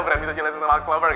bisa jelasin sama ask lover gak